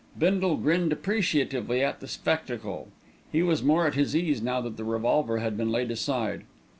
Bindle grinned appreciatively at the spectacle. He was more at his ease now that the revolver had been laid aside.